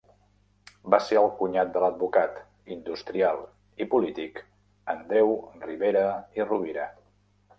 Va ser el cunyat de l'advocat, industrial i polític Andreu Ribera i Rovira.